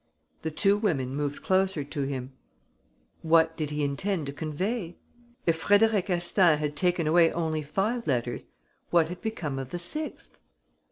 The two women moved closer to him. What did he intend to convey? If Frédéric Astaing had taken away only five letters, what had become of the sixth?